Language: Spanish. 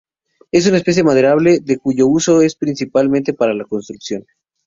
Es una especie maderable de cuyo uso es principalmente para la construcción.